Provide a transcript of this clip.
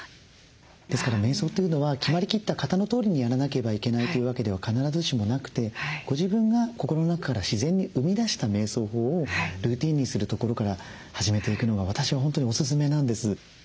ですからめい想というのは決まりきった型のとおりにやらなければいけないというわけでは必ずしもなくてご自分が心の中から自然に生み出しためい想法をルーティンにするところから始めていくのが私は本当におすすめなんです。